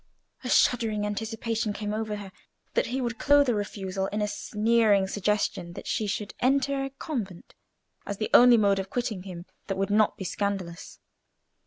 A shuddering anticipation came over her that he would clothe a refusal in a sneering suggestion that she should enter a convent as the only mode of quitting him that would not be scandalous.